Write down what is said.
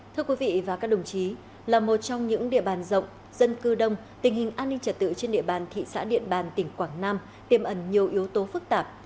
thưa quý vị và các đồng chí là một trong những địa bàn rộng dân cư đông tình hình an ninh trật tự trên địa bàn thị xã điện bàn tỉnh quảng nam tiềm ẩn nhiều yếu tố phức tạp